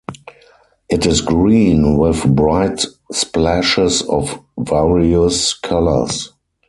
It is green, with bright splashes of various colours.